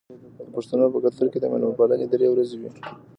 د پښتنو په کلتور کې د میلمه پالنه درې ورځې وي.